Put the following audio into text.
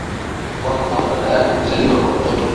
wako au kaka yako Kuzaliwa kwa mtoto